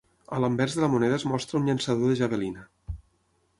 A l'anvers de la moneda es mostra un llançador de javelina.